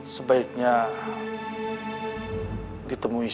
sebaiknya ditemui saja